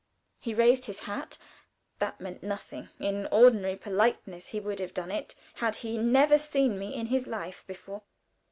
He raised his hat; that was nothing; in ordinary politeness he would have done it had he never seen me in his life before.